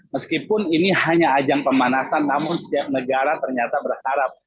meskipun ini hanya ajang pemanasan namun setiap negara ternyata berharap